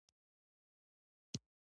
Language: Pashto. حميد به نور دلته اوسي.